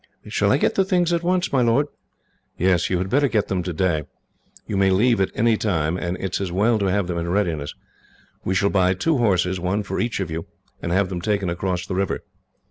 "Shall I get the things at once, my lord?" "Yes, you had better get them today. We may leave at any time, and it is as well to have them in readiness. We shall buy two horses, one for each of you, and have them taken across the river.